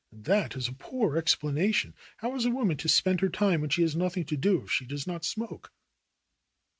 "And that is a poor explanation. How is a woman to spend her time when she has nothing to do if she does not smoke